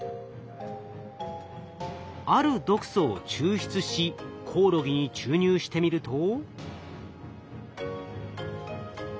ある毒素を抽出しコオロギに注入してみると。